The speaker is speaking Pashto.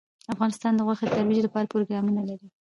افغانستان د غوښې د ترویج لپاره پروګرامونه لري.